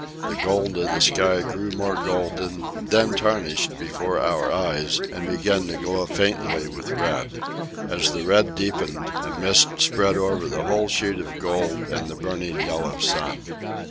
The gold of the sky grew more golden, then tarnished before our eyes and began to glow faintly with red. As the red deepened, a mist spread over the whole sheet of gold and the burning yellow sun.